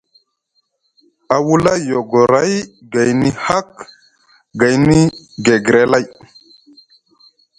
A wula yogoray gayni hak gayni gegre lay.